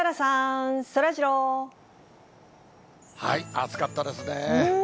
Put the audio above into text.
暑かったですね。